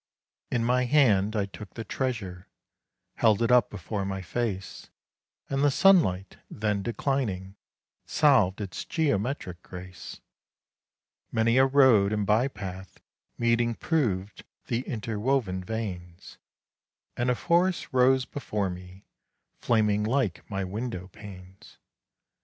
In my hand I took the treasure, held it up before my face, And the sunlight, then declining, solved its geometric grace. Many a road and by path meeting proved the interwoven veins; And a forest rose before me, flaming like my window panes.